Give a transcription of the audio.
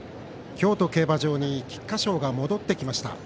京都競馬場に菊花賞が戻ってきました。